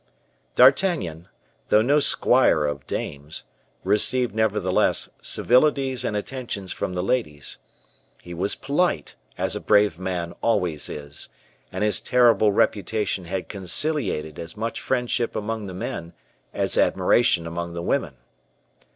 D'Artagnan, although no squire of dames, received, nevertheless, civilities and attentions from the ladies; he was polite, as a brave man always is, and his terrible reputation had conciliated as much friendship among the men as admiration among the women.